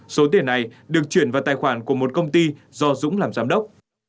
số tiền này được chuyển vào tài khoản của một công ty do dũng làm giám đốc